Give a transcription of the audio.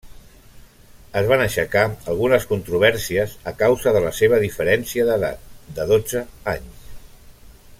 Es van aixecar algunes controvèrsies a causa de la seva diferència d'edat de dotze anys.